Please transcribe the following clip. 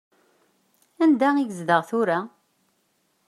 Anda i yezdeɣ tura?